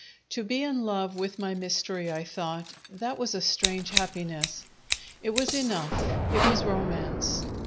To be in love with my mystery, I thought, that was a strange happiness! It was enough. It was romance!